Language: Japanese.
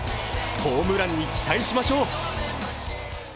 ホームランに期待しましょう。